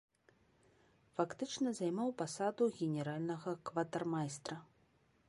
Фактычна займаў пасаду генеральнага кватармайстра.